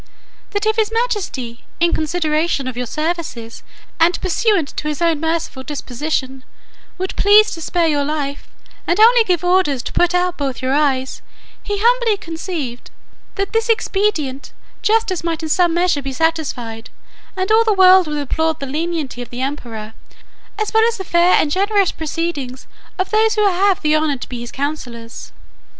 That if his majesty, in consideration of your services, and pursuant to his own merciful disposition, would please to spare your life, and only give orders to put out both your eyes, he humbly conceived, that by this expedient justice might in some measure be satisfied, and all the world would applaud the lenity of the emperor, as well as the fair and generous proceedings of those who have the honour to be his counsellors.